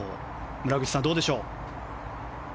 村口さん、どうでしょう。